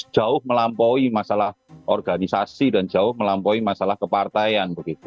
jauh melampaui masalah organisasi dan jauh melampaui masalah kepartaian begitu